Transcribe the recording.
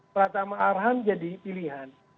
pratama arhan jadi pilihan